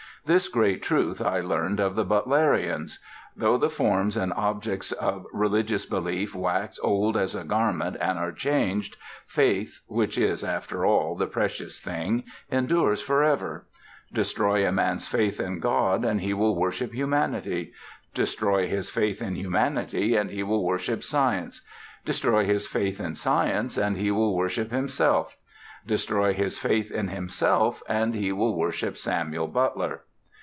This great truth I learned of the Butlerians: Though the forms and objects of religious belief wax old as a garment and are changed, faith, which is, after all, the precious thing, endures forever. Destroy a man's faith in God and he will worship humanity; destroy his faith in humanity and he will worship science; destroy his faith in science and he will worship himself; destroy his faith in himself and he will worship Samuel Butler.